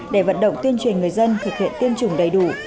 để vận động tuyên truyền người dân thực hiện tiêm chủng đầy đủ